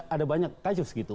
ada banyak kasus gitu